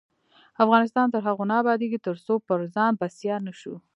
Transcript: افغانستان تر هغو نه ابادیږي، ترڅو پر ځان بسیا نشو.